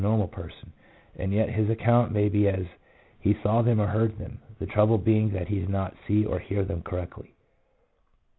65 normal person, and yet his account may be as he saw them or heard them, the trouble being that he did not see or hear correctly.